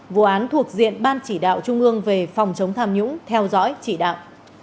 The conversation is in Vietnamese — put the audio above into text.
vụ án thuộc diện ban chỉ đạo trung ương về phòng chống tham nhũng theo dõi chỉ đạo